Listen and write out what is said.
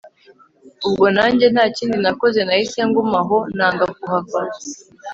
ubwo nanjye ntakindi nakoze, nahise ngumaho nanga kuhava